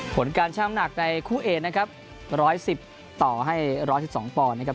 ผลการช่างอำนักในคู่เอกนะครับร้อยสิบต่อให้ร้อยสิบสองปอนนะครับ